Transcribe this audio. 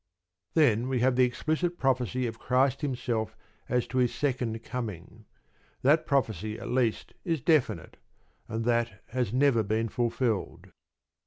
Then, we have the explicit prophecy of Christ Himself as to His second coming. That prophecy at least is definite; and that has never been fulfilled.